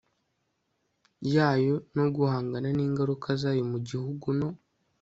yayo no guhangana n ingaruka zayo mu gihugu no